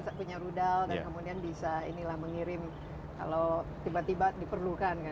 yang punya rudal kemudian bisa mengirim kalau tiba tiba diperlukan